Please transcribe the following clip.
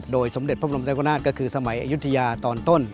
โดยสมเด็จพระพุทธมันใจพระนาจก็คือสมัยอยุธยาตอนต้น